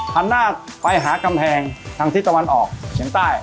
หันหน้าไปหากำแพงทางทิศตะวันออกเฉียงใต้